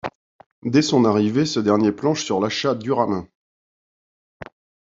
Dès son arrivée, ce dernier planche sur l'achat d'Uramin.